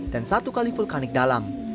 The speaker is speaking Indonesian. dan satu kali vulkanik dalam